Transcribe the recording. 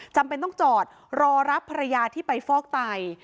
จำเป็นต้องจอดรอรับภรรยาที่ไปฟอกไต